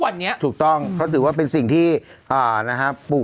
วันนี้ถูกต้องเขาถือว่าเป็นสิ่งที่นะฮะปลูก